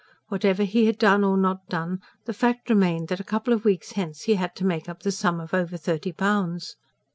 Whatever he had done or not done, the fact remained that a couple of weeks hence he had to make up the sum of over thirty pounds.